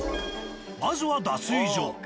まずは脱衣所。